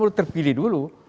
yang terpilih dulu